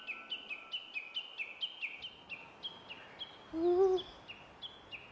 うん。